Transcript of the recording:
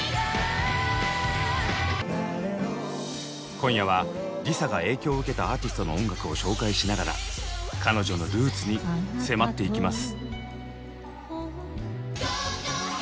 今夜はＬｉＳＡが影響を受けたアーティストの音楽を紹介しながら彼女のルーツに迫っていきます。